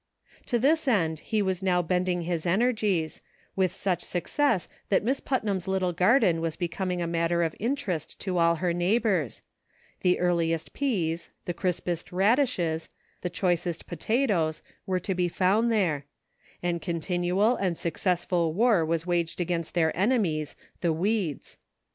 To this end he was now bending his energies, with such success that Miss Putnam's little garden was becoming a matter of interest to all her neigh bors ; the earliest peas, the crispest radishes, the choicest potatoes, were to be found there ; and con tinual and successful war was waged against their enemies, the weeds.